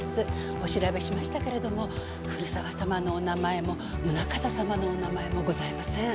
お調べしましたけれども古沢様のお名前も宗形様のお名前もございません。